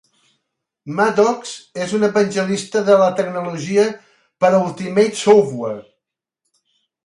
Maddox és un evangelista de la tecnologia per a Ultimate Software.